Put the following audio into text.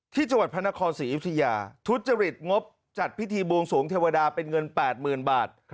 ที่จังหวัดพระนครศรีอยุธยาทุจริตงบจัดพิธีบวงสวงเทวดาเป็นเงิน๘๐๐๐บาท